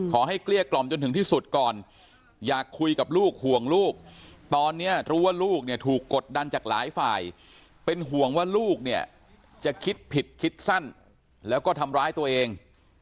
เกลี้ยกล่อมจนถึงที่สุดก่อนอยากคุยกับลูกห่วงลูกตอนนี้รู้ว่าลูกเนี่ยถูกกดดันจากหลายฝ่ายเป็นห่วงว่าลูกเนี่ยจะคิดผิดคิดสั้นแล้วก็ทำร้ายตัวเอง